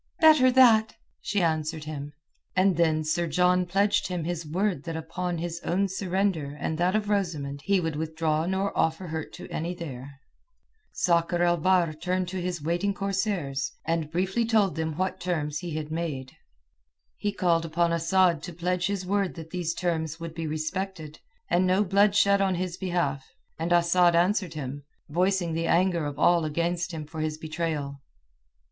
"Better that!" she answered him. And then Sir John pledged him his word that upon his own surrender and that of Rosamund he would withdraw nor offer hurt to any there. Sakr el Bahr turned to his waiting corsairs, and briefly told them what the terms he had made. He called upon Asad to pledge his word that these terms would be respected, and no blood shed on his behalf, and Asad answered him, voicing the anger of all against him for his betrayal.